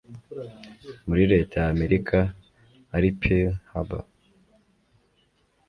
Muri Reta ya Amerika Ari Pearl Harbour